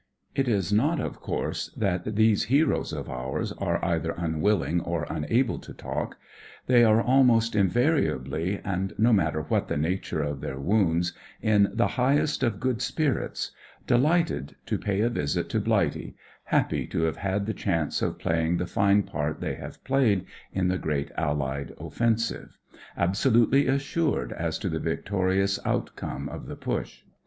It is not, of course, that these heroes of ours are either unwilling or unable to talk. They are ahnost invariably, and no matter what the nature of their wounds, in the highest of good spirits ; delighted 2 WHAT IT'S LIKE IN THE PUSH IM R to pay a visit to BUghty ; happy to have had the chance of playing the fine part they have played in the great Allied offensive; absolutely assured as to the victorious outcome of the Push.